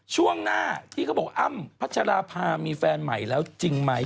ช่วงหน้าที่เขาบอกอ้ำพัชราภามีแฟนใหม่แล้วจริงไหม